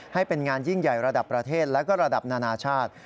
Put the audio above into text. ให้เป็นงานยิ่งใหญ่ระดับประเทศและก็ระดับนานาชาติ